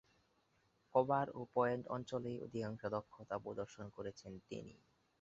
Cover ও point অঞ্চলেই অধিক দক্ষতা প্রদর্শন করেছেন তিনি।